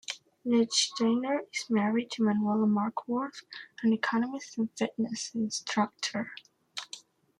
Lichtsteiner is married to Manuela Markworth, an economist and fitness instructor.